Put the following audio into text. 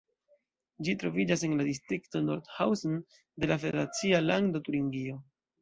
Ĝi troviĝas en la distrikto Nordhausen de la federacia lando Turingio.